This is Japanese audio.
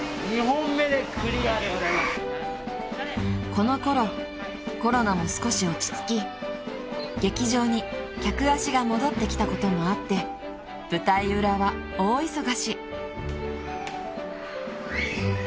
［このころコロナも少し落ち着き劇場に客足が戻ってきたこともあって舞台裏は大忙し］